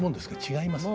違います？